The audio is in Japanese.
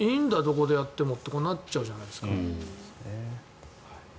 ここでやってもってなっちゃうじゃないですか。